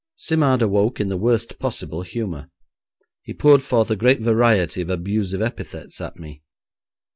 Simard awoke in the worst possible humour. He poured forth a great variety of abusive epithets at me.